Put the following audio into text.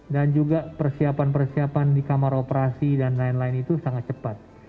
dan juga persiapan persiapan di kamar operasi dan lain lain itu sangat cepat